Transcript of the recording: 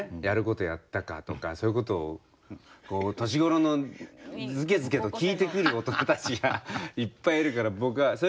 「やる事やったか」とかそういう事をこう年頃のズケズケと聞いてくる大人たちがいっぱいいるから僕は。